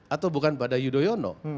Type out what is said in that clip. atau bukan pada yudhoyono